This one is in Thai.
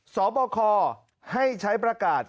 สอบคอให้ใช้ประกาศ